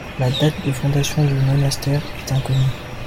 La date de fondation du monastère est inconnue.